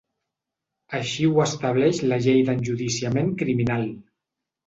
Així ho estableix la llei d’enjudiciament criminal.